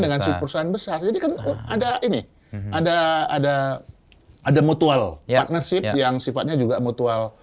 dengan perusahaan besar jadi kan ada ini ada ada mutual partnership yang sifatnya juga mutual